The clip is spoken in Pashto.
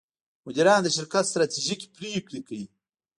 مدیران د شرکت ستراتیژیکې پرېکړې کوي.